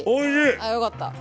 ああよかった。